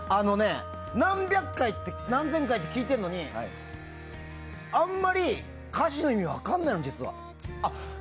何百回、何千回と聴いているのにあんまり歌詞の意味が分からないの、実は。